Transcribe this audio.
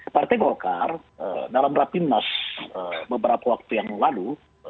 partai golkar dalam rapi nas beberapa waktu yang lalu